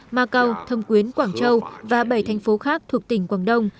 macau thâm quyến quảng châu và bảy thành phố khác thuộc tỉnh quảng đông